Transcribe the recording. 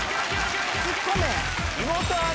ツッコめ？